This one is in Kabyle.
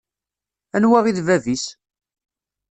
Anwa i d bab-is?